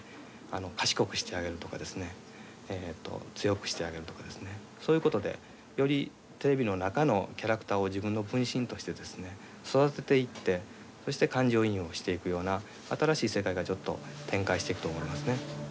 賢くしてあげるとかですね強くしてあげるとかですねそういうことでよりテレビの中のキャラクターを自分の分身としてですね育てていってそして感情移入をしていくような新しい世界がちょっと展開していくと思いますね。